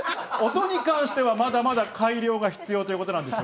音に関してはまだまだ改良が必要ということです。